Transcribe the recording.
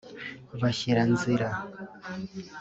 bashyira nzira